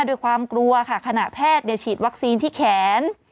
ด้วยความกลัวค่ะขณะแพทย์ฉีดวัคซีนที่แขน